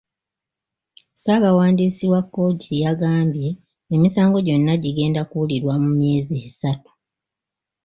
Ssaabawandiisi wa kkooti yagambye emisango gyonna gigenda kuwulirwa mu myezi esatu.